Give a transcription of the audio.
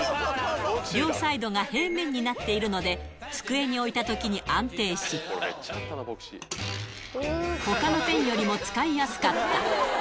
両サイドが平面になっているので、机に置いたときに安定し、ほかのペンよりも使いやすかった。